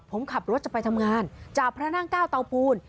ผมขับรถจะไปทำงานจากพระนั่งเก้าเตาปูน